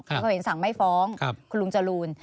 แล้วก็เห็นสั่งไม่ฟ้องคุณลุงจรูน